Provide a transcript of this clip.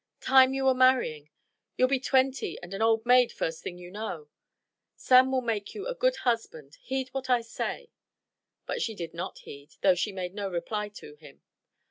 Time you were marrying. You'll be twenty and an old maid first thing you know. Sam will make you a good husband. Heed what I say." But she did not heed, though she made no reply to him.